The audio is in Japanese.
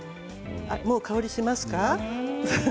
もう香りしますか？